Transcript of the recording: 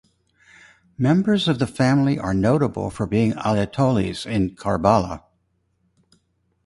Members of the family are notable for being Ayatollahs in Karbala.